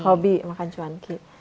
hobi makan cuan ki